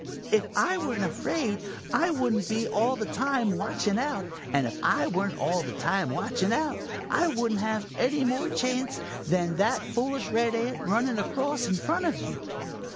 "If I weren't afraid, I wouldn't be all the time watching out, and if I weren't all the time watching out, I wouldn't have any more chance than that foolish red ant running across in front of you."